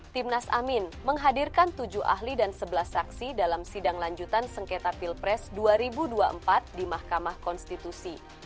timnas amin menghadirkan tujuh ahli dan sebelas saksi dalam sidang lanjutan sengketa pilpres dua ribu dua puluh empat di mahkamah konstitusi